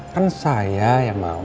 kan saya yang mau